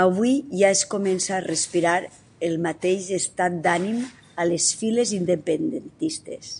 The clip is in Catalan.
Avui ja es comença a respirar el mateix estat d'ànim a les files independentistes.